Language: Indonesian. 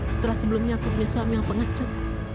setelah sebelumnya aku punya suami yang pengecut